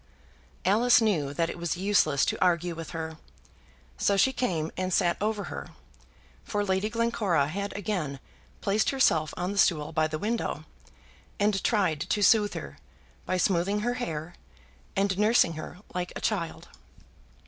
Alice knew that it was useless to argue with her, so she came and sat over her, for Lady Glencora had again placed herself on the stool by the window, and tried to sooth her by smoothing her hair, and nursing her like a child.